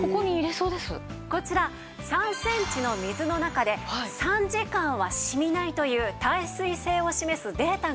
こちら３センチの水の中で３時間は染みないという耐水性を示すデータがあるんです。